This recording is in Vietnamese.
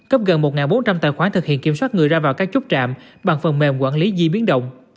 cấp gần một bốn trăm linh tài khoản thực hiện kiểm soát người ra vào các chốt trạm bằng phần mềm quản lý di biến động